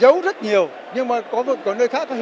giấu rất nhiều nhưng mà có nơi khác có hiệp hội có chính cái